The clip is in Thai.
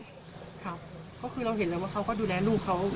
ค่ะก็คือเราเห็นแล้วว่าเขาก็ดูแลลูกเขา